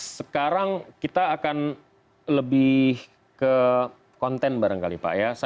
sekarang kita akan lebih ke konten barangkali pak ya